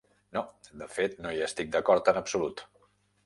No, de fet no hi estic d'acord en absolut.